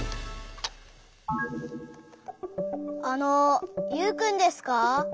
あのユウくんですか？